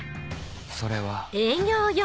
それは